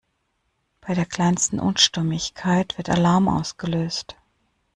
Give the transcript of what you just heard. Bei der kleinsten Unstimmigkeit wird Alarm ausgelöst.